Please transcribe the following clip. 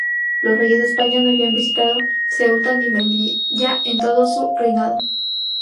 Los reyes de España no habían visitado Ceuta ni Melilla en todo su reinado.